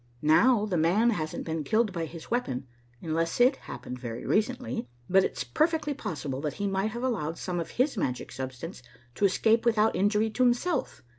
Now, the man hasn't been killed by his weapon, unless it happened very recently, but it's perfectly possible that he might have allowed some of his magic substance to escape without injury to himself.